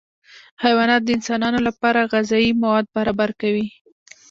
حیوانات د انسانانو لپاره غذایي مواد برابر کوي